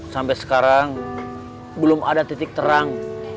sampai sekarang belum ada titik terang